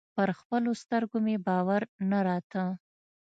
پر خپلو سترګو مې باور نه راته.